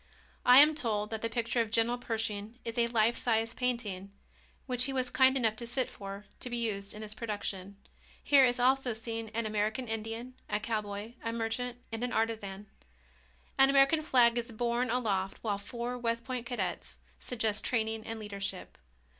I am told that the picture of General Pershing is a life sized painting, which he was kind enough to sit for, to be used in this production. Here is also seen an American Indian, a cowboy, a merchant and an artisan. An American flag is borne aloft while four West Point cadets suggest training and leadership.